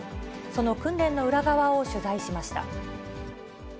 その訓練の裏側を取材しました。